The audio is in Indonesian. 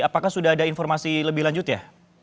apakah sudah ada informasi lebih lanjut ya